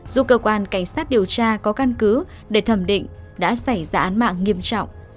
dù cơ quan cảnh sát điều tra có căn cứ để thẩm định đã xảy ra án mạng nghiêm trọng